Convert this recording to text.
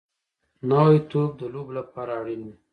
نوی توپ د لوبو لپاره اړین وي